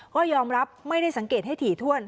ก็ยอมรับไม่ได้สังเกตให้ถี่ถ้วน